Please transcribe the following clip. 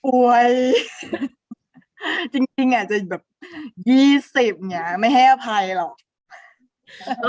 อ้วยจริงอาจจะ๒๐ไม่ให้อภัยหรอก